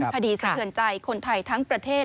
สะเทือนใจคนไทยทั้งประเทศ